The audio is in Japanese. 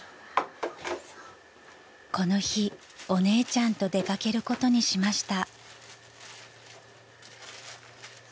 ［この日お姉ちゃんと出掛けることにしました］